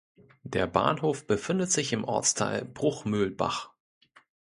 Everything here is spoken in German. Der Bahnhof befindet sich im Ortsteil Bruchmühlbach.